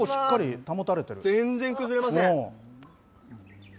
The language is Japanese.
全然崩れません。